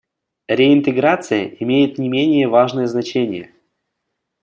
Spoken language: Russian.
Реинтеграция имеет не менее важное значение.